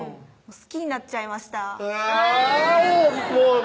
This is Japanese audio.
好きになっちゃいました？